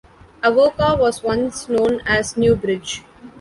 Avoca was once known as Newbridge.